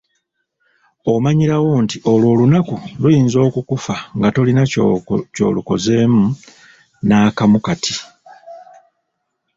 Omanyirawo nti olwo olunaku luyinza okukufa nga tolina ky'olukozeemu n'akamu kati .